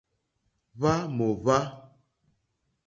Hwá mòhwá.